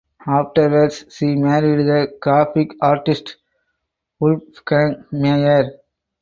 Afterwards she married the graphic artist Wolfgang Meyer.